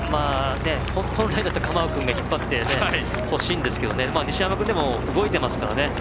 本来だったらカマウ君が引っ張っていってほしいんですが西山君、動いてますからね。